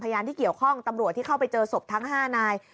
ที่เกี่ยวข้องตำรวจที่เข้าไปเจอศพทั้ง๕นาย